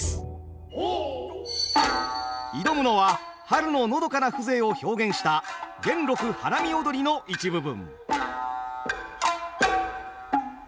挑むのは春ののどかな風情を表現した「元禄花見踊」の一部分。